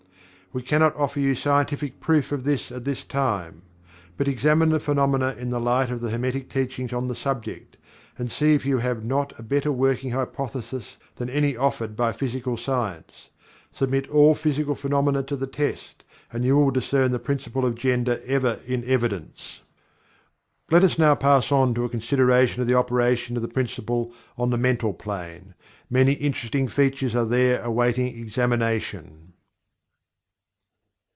We cannot offer you scientific proof of this at this time but examine the phenomena in the light of the Hermetic Teachings on the subject, and see if you have not a better working hypothesis than any offered by physical science. Submit all physical phenomena to the test, and you will discern the Principle of Gender ever in evidence. Let us now pass on to a consideration of the operation of the Principle on the Mental Plane. Many interesting features are there awaiting examination.